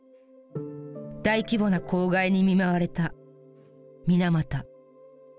大規模な公害に見舞われた水俣。